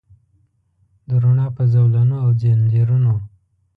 د روڼا په زولنو او ځنځیرونو